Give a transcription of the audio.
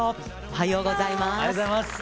おはようございます。